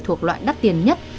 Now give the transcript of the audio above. thuộc loại đắt tiền nhất